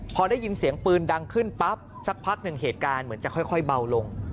พอได้ยินเสียงปืนดังขึ้นปั๊บสักพักหนึ่งเหตุการณ์เหมือนจะค่อยเบาลง